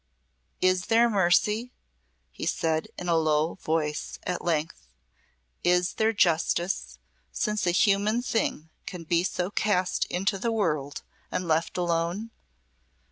"Is there mercy?" he said in a low voice, at length. "Is there justice, since a human thing can be so cast into the world and left alone?"